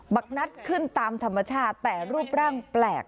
ักนัดขึ้นตามธรรมชาติแต่รูปร่างแปลก